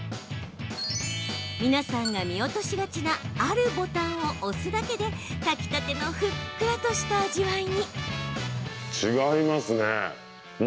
皆さんが見落としがちなあるボタンを押すだけで炊きたてのふっくらとした味わいに。